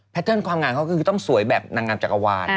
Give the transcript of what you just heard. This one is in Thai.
เติ้ลความงามเขาก็คือต้องสวยแบบนางงามจักรวาล